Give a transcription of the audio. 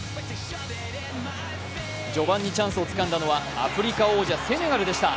序盤にチャンスをつかんだのはアフリカ王者セネガルでした。